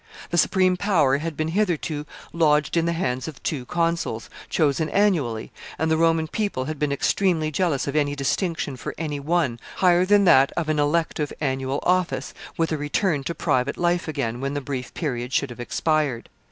The supreme power had been hitherto lodged in the hands of two consuls, chosen annually, and the Roman people had been extremely jealous of any distinction for any one, higher than that of an elective annual office, with a return to private life again when the brief period should have expired.